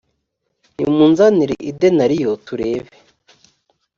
nimunzanire idenariyo turebe